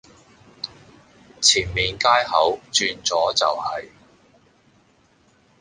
前面街口轉左就係